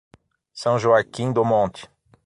São Joaquim do Monte